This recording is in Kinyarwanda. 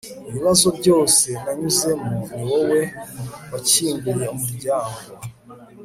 ibibazo byose nanyuzemo, niwowe wakinguye umuryango